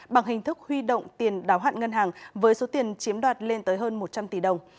bằng hình thức huy động tiền đáo hạn ngân hàng với số tiền chiếm đoạt lên tới hơn một trăm linh tỷ đồng